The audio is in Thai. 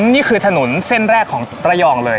นี่คือถนนเส้นแรกของระยองเลย